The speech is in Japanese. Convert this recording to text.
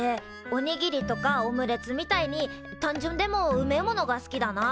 おにぎりとかオムレツみたいに単純でもうめえものが好きだな。